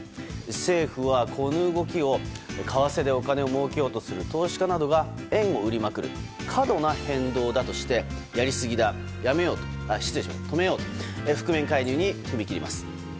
政府は、この動きを為替でお金をもうけようとする投資家などが円を売りまくる過度な変動だとして止めようと覆面介入に踏み切ります。